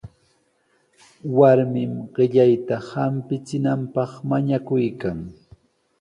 Warmin qillayta hampichinanpaq mañakuykan.